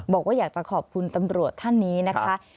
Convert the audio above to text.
บอกว่าอยากจะขอบคุณตำรวจท่านนี้นะคะ